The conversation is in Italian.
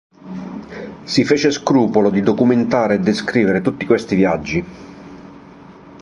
Si fece scrupolo di documentare e descrivere tutti questi viaggi.